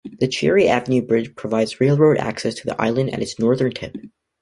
The Cherry Avenue Bridge provides railroad access to the island at its northern tip.